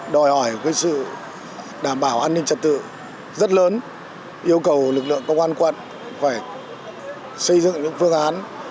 đòi hỏi sự đảm bảo an ninh trật tự rất lớn yêu cầu lực lượng công an quận phải xây dựng những phương án